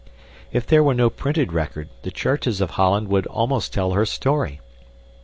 If there were no printed record, the churches of Holland would almost tell her story.